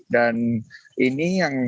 dan ini yang